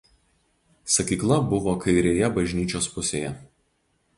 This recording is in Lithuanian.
Sakykla buvo kairėje bažnyčios pusėje.